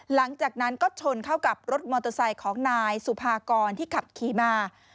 หลังจากนั้นก็ชนเข้ากับรถมอเตอร์ไซค์ของนายสุภากรที่ขับขี่มา